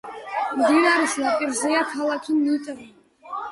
მდინარის ნაპირზეა ქალაქი ნიტრა.